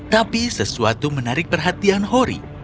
tapi sesuatu menarik perhatian hori